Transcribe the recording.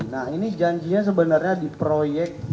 nah ini janjinya sebenarnya di proyek